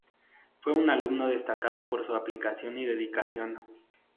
Fue un alumno destacado por su aplicación y dedicación.